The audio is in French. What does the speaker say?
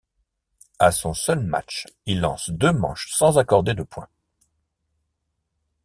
À son seul match, il lance deux manches sans accorder de point.